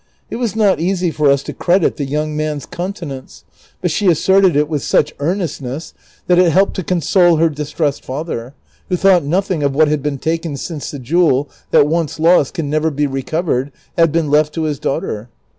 It was not easy for us to credit the young man's continence, but she asserted it with such earnestness that it helped to console her distressed father, Avho thought nothing of what had been taken since the jewel that once lost can never be recovered had been left to his daughter.